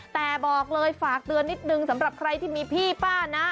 แต่บอกเลยฝากเตือนนิดนึงสำหรับใครที่มีพี่ป้านะ